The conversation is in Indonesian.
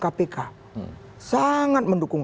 kpk sangat mendukung